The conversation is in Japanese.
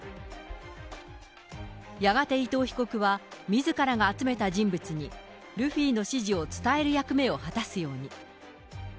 やがて伊藤被告は、みずからが集めた人物にルフィの指示を伝える役目を果たすように。